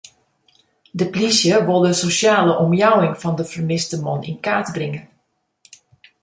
De plysje wol de sosjale omjouwing fan de fermiste man yn kaart bringe.